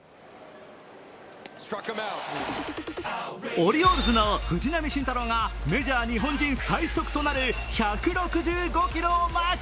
オリオールズの藤浪晋太郎がメジャー日本人最速となる１６５キロをマーク。